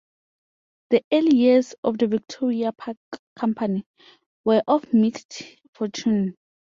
The early years of the 'Victoria Park Company' were of mixed fortune.